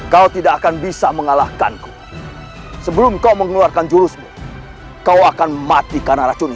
kau tidak akan bisa mengalahkanku sebelum kau mengeluarkan jurusmu kau akan mati karena racun